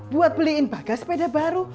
buat beliin baga sepeda baru